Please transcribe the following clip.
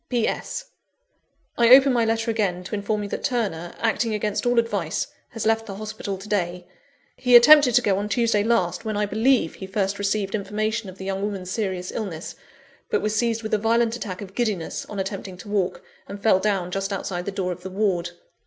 "P. S. I open my letter again, to inform you that Turner, acting against all advice, has left the hospital to day. He attempted to go on Tuesday last, when, I believe, he first received information of the young woman's serious illness, but was seized with a violent attack of giddiness, on attempting to walk, and fell down just outside the door of the ward.